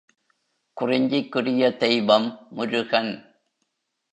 குறிஞ்சிக்குரிய தெய்வம் முருகன்.